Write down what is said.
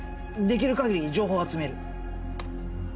できるかぎり情報を集める。